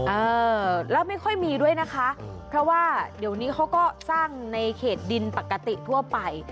เออแล้วไม่ค่อยมีด้วยนะคะเพราะว่าเดี๋ยวนี้เขาก็สร้างในเขตดินปกติทั่วไป